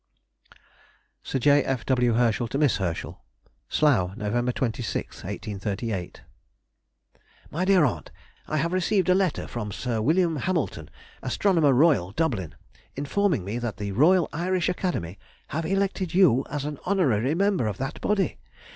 SIR J. F. W. HERSCHEL TO MISS HERSCHEL. SLOUGH, Nov. 26, 1838. MY DEAR AUNT,— I have received a letter from Sir Wm. Hamilton, Astronomer Royal, Dublin, informing me that the Royal Irish Academy have elected you an honorary member of that body.